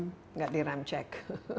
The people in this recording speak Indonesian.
tidak di rem cek